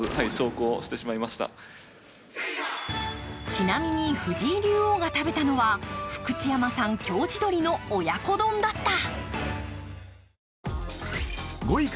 ちなみに藤井竜王が食べたのは福知山産京地鶏の親子丼だった。